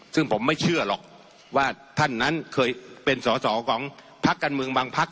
ซึ่งผมไม่เชื่อหรอกว่าท่านนั้นเคยเป็นสอสอของพักการเมืองบางพัก